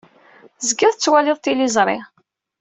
Tezgiḍ tettwaliḍ tiliẓri.